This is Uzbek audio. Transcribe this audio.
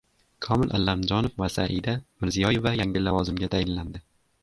Komil Allamjonov va Saida Mirziyoeva yangi lavozimga tayinlandi